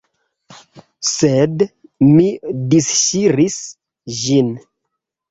Sed mi disŝiris ĝin.